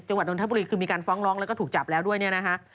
จังหวัดนทบุรีคือมีการฟ้องร้องแล้วก็ถูกจับแล้วด้วยเนี่ยนะฮะ